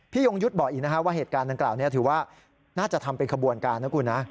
พี่ยงยุทย์บอกอีกว่าเหตุการณ์ต่างกล่าวนี้ถือว่าน่าจะทำเป็นขบวนการนะคุณ